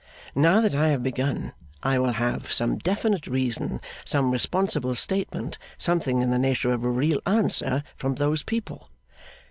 Now that I have begun, I will have some definite reason, some responsible statement, something in the nature of a real answer, from those people.